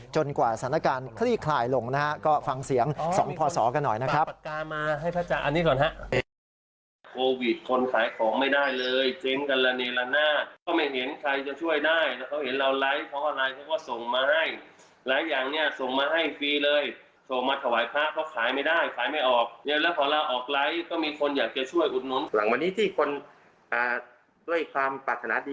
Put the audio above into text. กว่าสถานการณ์คลี่คลายลงนะฮะก็ฟังเสียง๒พศกันหน่อยนะครับ